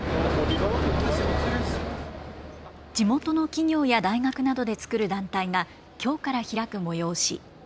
地元の企業や大学などで作る団体がきょうから開く催し。